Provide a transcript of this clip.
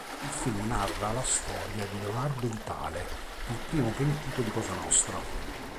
Il film narra la storia di Leonardo Vitale, il primo pentito di Cosa nostra.